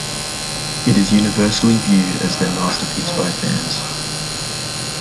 It is universally viewed as their masterpiece by fans.